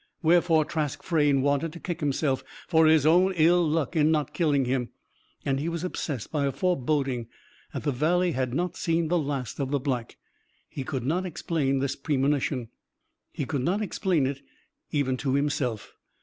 Wherefore Trask Frayne wanted to kick himself for his own ill luck in not killing him. And he was obsessed by a foreboding that the Valley had not seen the last of the Black. He could not explain this premonition. He could not explain it, even to himself.